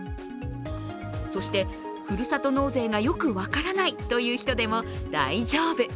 そして、ふるさと納税がよく分からないという人でも大丈夫。